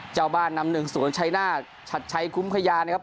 เจ้าบ้านนำหนึ่งสวนชัยนาดชัดชัยคุ้มพยานนะครับ